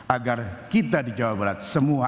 agar kita di jawa barat semua agama kita memuliakan